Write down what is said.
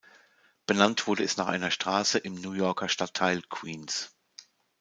Benannt wurde es nach einer Straße im New Yorker Stadtteil Queens.